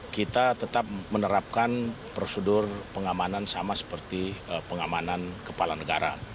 kita tetap menerapkan prosedur pengamanan sama seperti pengamanan kepala negara